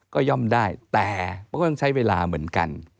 ก็ย่อมได้แต่ก็ต้องใช้เวลาเหมือนกัน